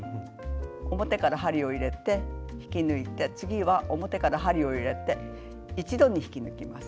表から針を入れて引き抜いて次は表から針を入れて一度に引き抜きます。